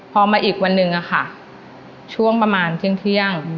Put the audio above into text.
พอมาอีกวันหนึ่งอะค่ะช่วงประมาณเที่ยง